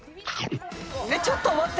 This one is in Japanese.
えっちょっと待って！